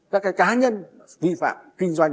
các cái cá nhân vi phạm kinh doanh